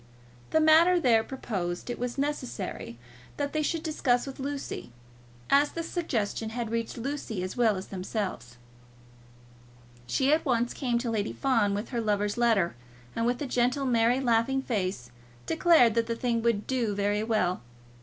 The matter there proposed it was necessary that they should discuss with Lucy, as the suggestion had reached Lucy as well as themselves. She at once came to Lady Fawn with her lover's letter, and with a gentle merry laughing face declared that the thing would do very well.